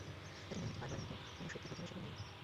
তাঁদের নিয়মিত করবার মত কোন শক্তিই বিধি-নিষেধের নেই।